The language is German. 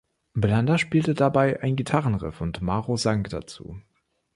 Blanda spielte dabei ein Gitarrenriff und Maro sang dazu.